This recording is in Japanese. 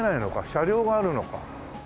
車両があるのか。